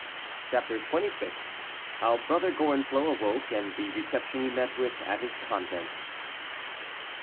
CHAPTER XXVI. HOW BROTHER GORENFLOT AWOKE, AND THE RECEPTION HE MET WITH AT HIS CONVENT.